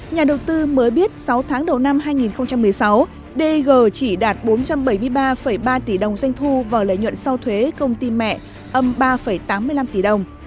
nhà đầu tư mới biết sáu tháng đầu năm hai nghìn một mươi sáu dg chỉ đạt bốn trăm bảy mươi ba ba tỷ đồng doanh thu và lợi nhuận sau thuế công ty mẹ âm ba tám mươi năm tỷ đồng